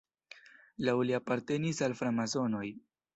Laŭ li apartenis al framasonoj.